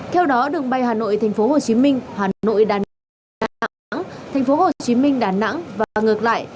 theo đó đường bay hà nội thành phố hồ chí minh hà nội đà nẵng thành phố hồ chí minh đà nẵng và ngược lại